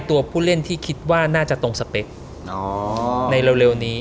ตัวผู้เล่นที่คิดว่าน่าจะตรงสเปคในเร็วนี้